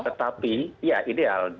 tetapi ya ideal